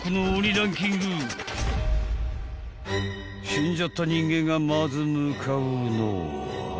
［死んじゃった人間がまず向かうのは］